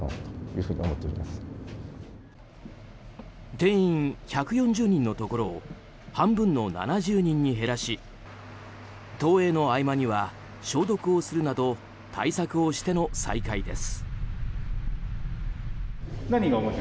定員１４０人のところを半分の７０人に減らし投影の合間には消毒をするなど対策をしての再開です。